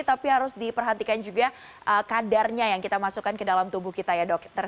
tapi harus diperhatikan juga kadarnya yang kita masukkan ke dalam tubuh kita ya dokter